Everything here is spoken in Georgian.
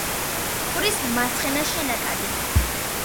მტკვრის მარცხენა შენაკადი.